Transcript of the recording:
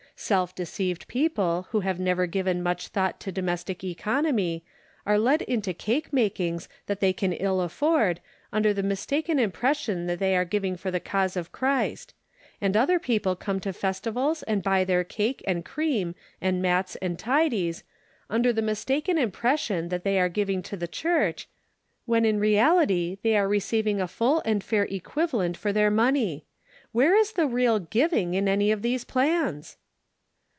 Self deceived people who have never given much thought to domes tic economy, are led into cake makings that they can ill afford, under the mistaken impres sion that they are giving for the cause of Christ ; and other people come to festivals and buy their cake and cream and mats and tidies, under the mistaken impression that they are Interrogation Points. 85 giving to the church, when in reality they are receiving a full and fair equivalent for their money. Where is the real giviny in any of these plans?"